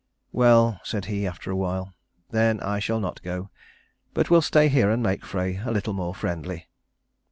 "Well," said he after a while, "then I shall not go, but will stay here and make Frey a little more friendly."